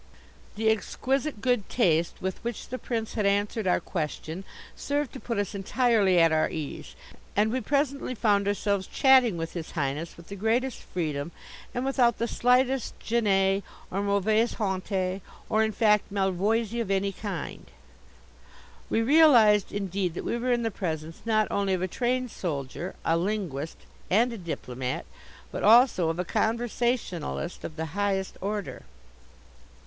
The exquisite good taste with which the Prince had answered our question served to put us entirely at our ease, and we presently found ourselves chatting with His Highness with the greatest freedom and without the slightest gene or mauvaise honte, or, in fact, malvoisie of any kind. We realized, indeed, that we were in the presence not only of a trained soldier, a linguist and a diplomat, but also of a conversationalist of the highest order.